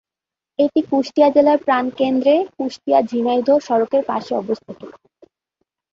এটি কুষ্টিয়া জেলার প্রাণকেন্দ্রে কুষ্টিয়া-ঝিনাইদহ সড়কের পাশে অবস্থিত।